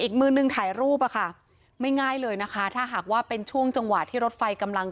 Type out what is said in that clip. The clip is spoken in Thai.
อีกมือนึงถ่ายรูปอะค่ะไม่ง่ายเลยนะคะถ้าหากว่าเป็นช่วงจังหวะที่รถไฟกำลัง